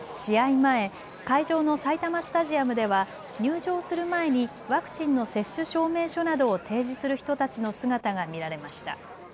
前会場の埼玉スタジアムでは入場する前にワクチンの接種証明書などを提示する人たちの姿が見られました。